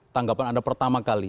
tanggapan anda pertama kali